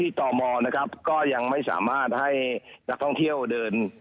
ตมนะครับก็ยังไม่สามารถให้นักท่องเที่ยวเดิน